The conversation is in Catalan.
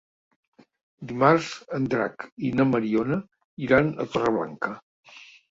Dimarts en Drac i na Mariona iran a Torreblanca.